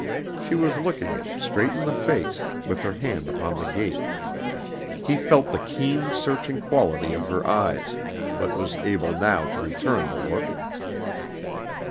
She was looking him straight in the face, with her hand upon the gate. He felt the keen, searching quality of her eyes, but was able now to return the look.